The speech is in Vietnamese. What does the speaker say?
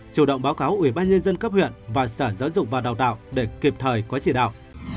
chủ động báo cáo ủy ban nhân dân cấp huyện và sở giáo dục và đào tạo để kịp thời có chỉ đạo